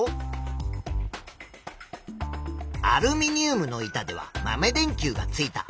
アルミニウムの板では豆電球がついた。